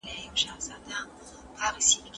اسلامي نظام د رحمت نظام دی.